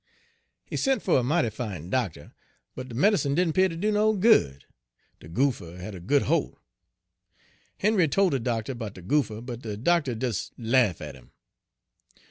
He sent fer a mighty fine doctor, but de med'cine didn' 'pear ter do no good; de goopher had a good holt. Henry tole de doctor 'bout de goopher, but de doctor des laff at 'im.